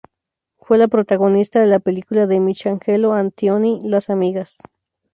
Fue la protagonista de la película de Michelangelo Antonioni "Las amigas".